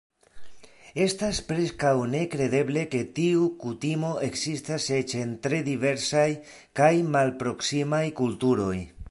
Estas preskaŭ nekredeble, ke tiu kutimo ekzistas eĉ en tre diversaj kaj malproksimaj kulturoj.